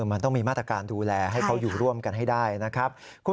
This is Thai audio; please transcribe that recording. มันต้องมีมาตรการดูแลให้เขาอยู่ร่วมกันให้ได้นะครับ